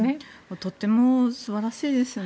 とても素晴らしいですね。